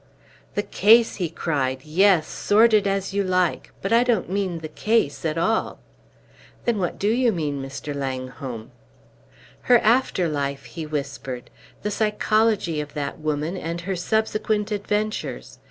"The case!" he cried. "Yes, sordid as you like; but I don't mean the case at all." "Then what do you mean, Mr. Langholm?" "Her after life," he whispered; "the psychology of that woman, and her subsequent adventures!